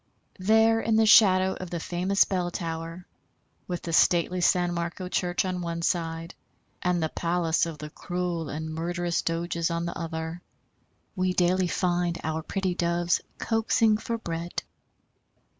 There in the shadow of the famous bell tower, with the stately San Marco church on one side and the palace of the cruel and murderous Doges on the other, we daily find our pretty Doves coaxing for bread.